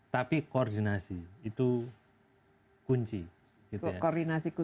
tapi koordinasi itu kunci gitu ya